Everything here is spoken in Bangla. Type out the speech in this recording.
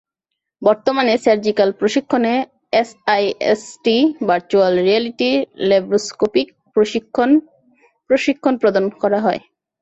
বর্তমানে সার্জিক্যাল প্রশিক্ষণে এসআইএসটি ভার্চুয়াল রিয়েলিটি ল্যাবরোস্কোপিক প্রশিক্ষণ প্রশিক্ষণ প্রদান করা হয়।